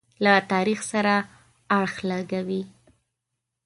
له تاریخ سره اړخ لګوي.